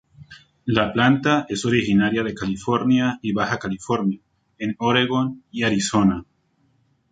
La planta es originaria de California y Baja California, en Oregon y Arizona.